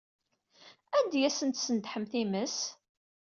Anda ay asent-tesnedḥem times?